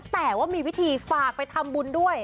แต่ว่ามีวิธีฝากไปทำบุญด้วย